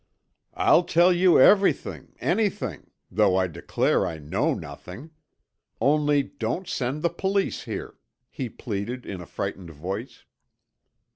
"I'll tell you everything, anything, though I declare I know nothing. Only don't send the police here," he pleaded in a frightened voice.